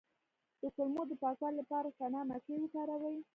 د کولمو د پاکوالي لپاره سنا مکی وکاروئ